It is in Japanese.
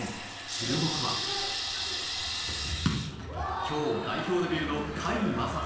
注目は今日代表デビューの甲斐優斗。